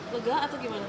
lega atau gimana